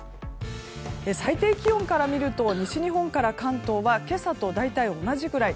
最低気温から見ると西日本から関東は今朝と大体同じくらい。